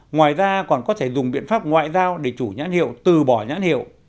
ngoài ra còn có thể dùng biện pháp ngoại giao để chủ nhãn hiệu từ bỏ nhãn hiệu